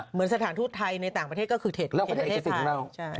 เหมือนสถานทูธไทยในต่างประเทศก็คือเขตของเขตประเทศไทย